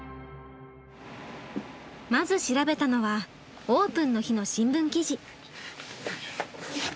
まず調べたのはオープンの日の新聞記事。